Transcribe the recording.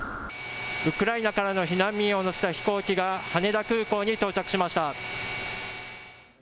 ウクライナからの避難民を乗せた飛行機が羽田空港に到着しました。